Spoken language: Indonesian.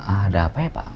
ada apa ya pak